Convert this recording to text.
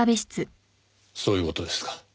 そういう事ですか？